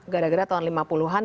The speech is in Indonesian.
gara gara tahun lima puluh an